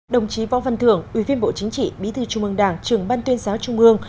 đồng chí võ văn thưởng ủy viên bộ chính trị bí thư trung ương đảng trường ban tuyên giáo trung ương